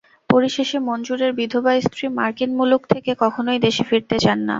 পরিশেষে, মঞ্জুরের বিধবা স্ত্রী মার্কিন মুলুক থেকে কখনোই দেশে ফিরতে চান না।